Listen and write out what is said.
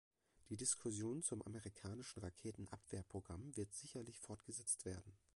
Die Diskussion zum amerikanischen Raketenabwehrprogramm wird sicherlich fortgesetzt werden.